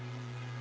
あ！